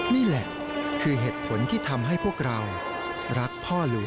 นี่แหละคือเหตุผลที่ทำให้พวกเรารักพ่อหลวง